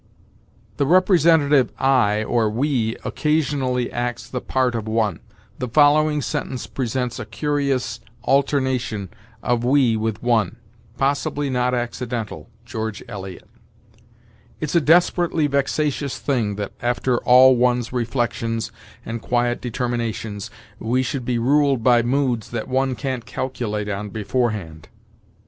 "The representative 'I' or 'we' occasionally acts the part of 'one.' The following sentence presents a curious alternation of 'we' with 'one' possibly not accidental (George Eliot): 'It's a desperately vexatious thing that, after all one's reflections and quiet determinations, we should be ruled by moods that one can't calculate on beforehand.'